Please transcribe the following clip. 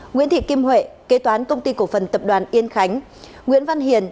nguyễn thị kim huệ kế toán công ty cổ phần tập đoàn yên khánh nguyễn văn hiền